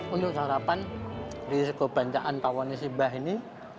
untuk sarapan di seko banjaan pawanesimba ini